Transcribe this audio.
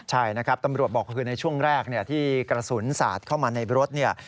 ใช่นะครับตำรวจบอกก็คือในช่วงแรกที่กระสุนสาดเข้ามาในรถเนี่ย